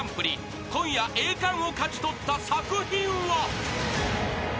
［今夜栄冠を勝ち取った作品は］